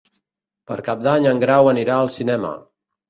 Per Cap d'Any en Grau anirà al cinema.